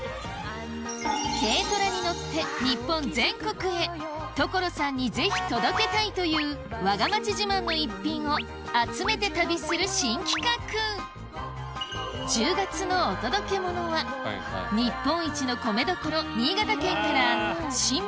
軽トラに乗って日本全国へ「所さんにぜひ届けたい」というわが町自慢の逸品を集めて旅する新企画１０月のお届けモノはあどうも！